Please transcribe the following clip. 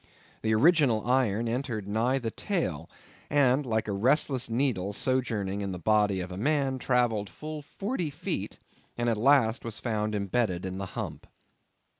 The original iron entered nigh the tail, and, like a restless needle sojourning in the body of a man, travelled full forty feet, and at last was found imbedded in the hump.